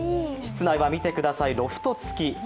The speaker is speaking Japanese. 室内は見てください、ロフト付き。